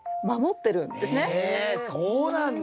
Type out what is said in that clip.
へえそうなんだ。